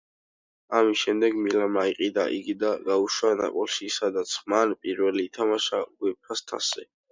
ამის შემდეგ მილანმა იყიდა იგი და გაუშვა ნაპოლიში, სადაც მან პირველად ითამაშა უეფას თასზე.